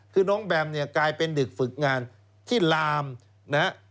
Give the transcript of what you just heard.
คือน้องแบมเนี่ยกลายเป็นเด็กฝึกงานที่ลามนะฮะ